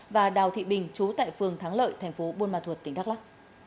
và đào thị bình trú tại phường thắng lợi tp buôn ma thuột tỉnh đắk lắk